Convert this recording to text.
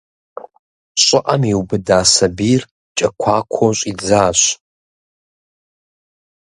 ЩӀыӀэм иубыда сабийр кӀэкуакуэу щӀидзащ.